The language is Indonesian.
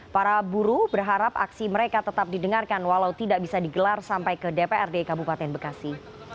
para buruh berharap aksi mereka tetap didengarkan walau tidak bisa digelar sampai ke dprd kabupaten bekasi